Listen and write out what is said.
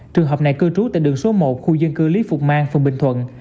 trường hợp này cư trú tại đường số một khu dân cư lý phục mang phường bình thuận